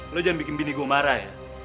lo jangan bikin bini gue marah ya